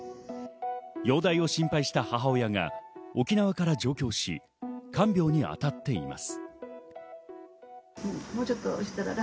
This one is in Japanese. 容体を心配した母親が沖縄から上京し、看病に当たっています。